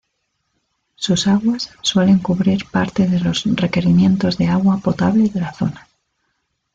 Sus aguas suelen cubrir parte de los requerimientos de agua potable de la zona.